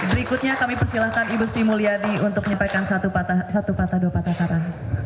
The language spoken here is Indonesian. berikutnya kami persilahkan ibu sri mulyadi untuk menyampaikan satu patah dua patah kata